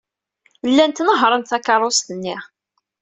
Llant nehhṛent takeṛṛust-nni.